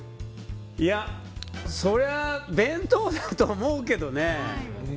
そりゃ弁当だと思うけどね。